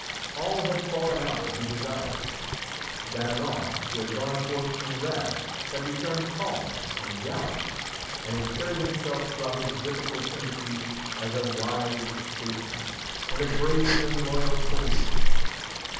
All had fallen out as he desired. Ganelon, who had gone forth in wrath, had returned calm and gallant, and had carried himself throughout his difficult embassy as a wise statesman and a brave and loyal soldier.